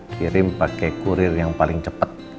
kirim pake kurir yang paling cepet